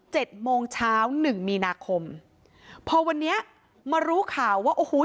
โมงเช้าหนึ่งมีนาคมพอวันนี้มารู้ข่าวว่าโอ้โห